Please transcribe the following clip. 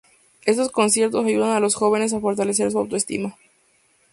Estos conciertos ayudan a los jóvenes a fortalecer su autoestima.